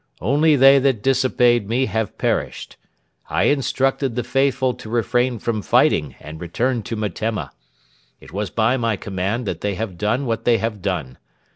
Only they that disobeyed me have perished. I instructed the faithful to refrain from fighting and return to Metemma. It was by my command that they have done what they have done.